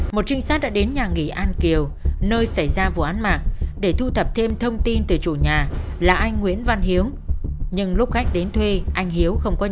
mũ trịnh sát và điều tra thứ hai điều tra theo phương án nghi vấn giết người do mâu thuẫn trong làm ăn